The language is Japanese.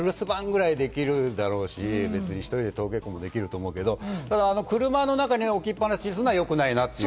お留守番くらいできるだろうし、１人で登下校もできると思うけれども、車の中に置きっぱなしにするのはよくないなと。